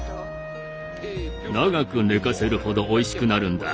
長く寝かせるほどおいしくなるんだ。